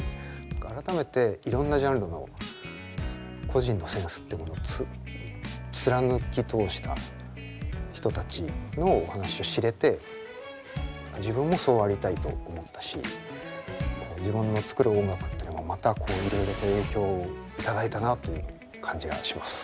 改めていろんなジャンルの個人のセンスってものを貫き通した人たちのお話を知れて自分もそうありたいと思ったし自分の作る音楽ってのもまたこういろいろと影響を頂いたなという感じがします。